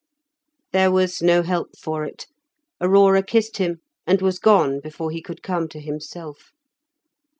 There was no help for it; Aurora kissed him, and was gone before he could come to himself.